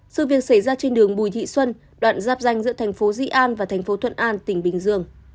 sự việc xảy ra trên đường bùi thị xuân đoạn giáp danh giữa thành phố di an và thành phố thuận an tỉnh bình dương